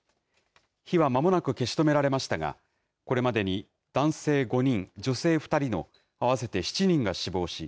火はまもなく消し止められましたが、これまでに男性５人、女性２人の合わせて７人が死亡し、